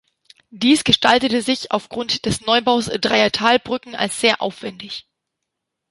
Dies gestaltete sich aufgrund des Neubaus dreier Talbrücken als sehr aufwändig.